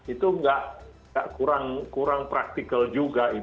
itu nggak kurang praktikal juga